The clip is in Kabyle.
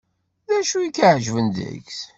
D acu i k-iεeǧben deg-s.